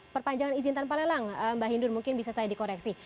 perpanjangan izin tanpa lelang mbak hindun mungkin bisa saya dikoreksi